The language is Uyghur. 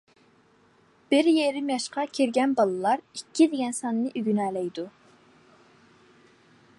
بىر يېرىم ياشقا كىرگەن بالىلار «ئىككى» دېگەن ساننى ئۆگىنەلەيدۇ.